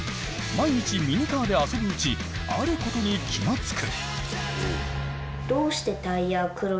毎日ミニカーで遊ぶうちあることに気が付く。